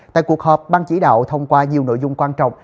tại cuộc họp ban chỉ đạo thông qua nhiều nội dung quan trọng